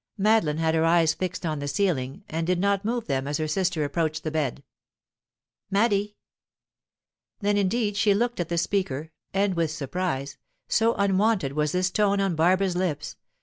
Madeline had her eyes fixed on the ceiling, and did not move them as her sister approached the bed. "Maddy!" Then indeed she looked at the speaker, and with surprise, so unwonted was this tone on Barbara's lips.